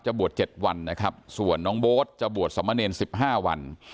จะโบ๊ทเจ็ดวันนะครับส่วนน้องโบ๊ทจะโบ๊ทสามะเนรสิบห้าวัน